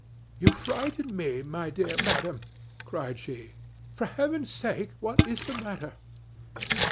"You frighten me, my dear madam," cried she. "For heaven's sake, what is the matter?"